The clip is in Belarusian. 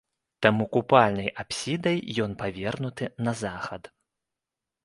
Таму купальнай апсідай ён павернуты на захад.